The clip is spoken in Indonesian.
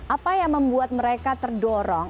apa yang membuat mereka terdorong